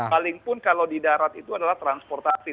palingpun kalau di darat itu adalah transportasi